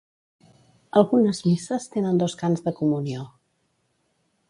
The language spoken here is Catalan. Algunes misses tenen dos cants de Comunió.